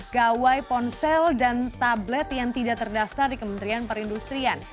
gawai ponsel dan tablet yang tidak terdaftar di kementerian perindustrian